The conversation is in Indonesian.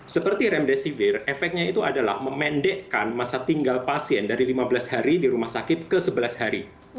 seperti remdesivir efeknya itu adalah memendekkan masa tinggal pasien dari lima belas hari di rumah sakit ke sebelas hari